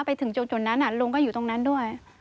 ไปถึงจุดนั้นลุงก็อยู่ตรงนั้นด้วย